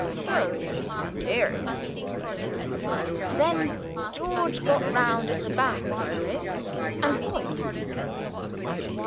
"So mysterious!" said Harris. Then George got round at the back of Harris and saw it.